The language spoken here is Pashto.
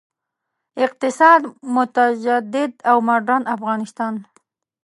اقتصاد، متجدد او مډرن افغانستان.